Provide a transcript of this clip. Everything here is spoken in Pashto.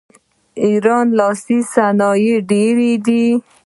د ایران لاسي صنایع ډیر دي.